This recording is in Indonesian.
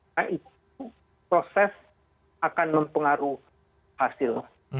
nah itu proses akan mempengaruhi hasil